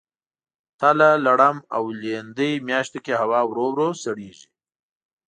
تله ، لړم او لیندۍ میاشتو کې هوا ورو ورو سړیږي.